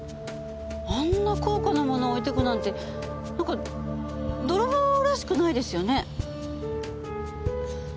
あんな高価なものを置いていくなんてなんか泥棒らしくないですよね？